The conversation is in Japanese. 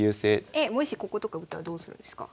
えっもしこことか打ったらどうするんですか？